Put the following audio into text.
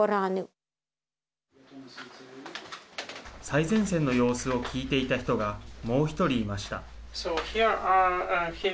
最前線の様子を聞いていた人がもう１人いました。